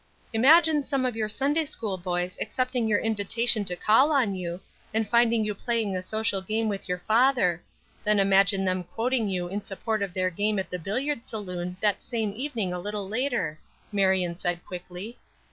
"Imagine some of your Sunday school boys accepting your invitation to call on you, and finding you playing a social game with your father; then imagine them quoting you in support of their game at the billiard saloon that same evening a little later," Marion said, quickly.